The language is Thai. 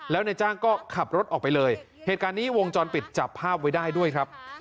แล้วนายจ้างก็ขับรถออกไปเลยเหตุการณ์นี้วงจรปิดจับภาพไว้ได้ด้วยครับ